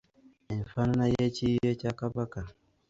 Enfaanana y’ekiyiiye kya Kabaka.